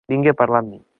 Vingui a parlar amb mi.